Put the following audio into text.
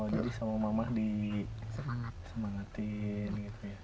jadi sama mamah disemangatin